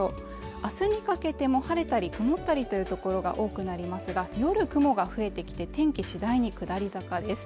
明日にかけても晴れたり曇ったりという所が多くなりますが夜雲が増えてきて天気次第に下り坂です